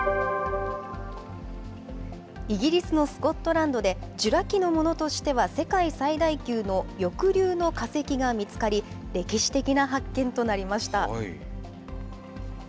イギリスのスコットランドで、ジュラ紀のものとしては世界最大級の翼竜の化石が見つかり、歴史的な発見となりました。